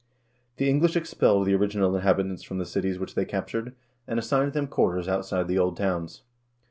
2 The English expelled the original inhabitants from the cities which they captured, and assigned them quarters outside the old towns.